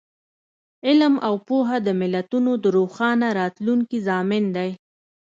علم او پوهه د ملتونو د روښانه راتلونکي ضامن دی.